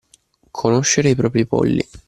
Conoscere i propri polli.